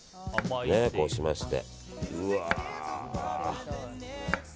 こうしまして。